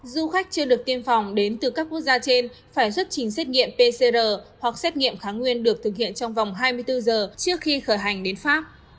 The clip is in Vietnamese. du khách chưa được tiêm phòng đến từ các quốc gia trên phải xuất trình xét nghiệm pcr hoặc xét nghiệm kháng nguyên được thực hiện trong vòng hai mươi bốn giờ trước khi khởi hành đến pháp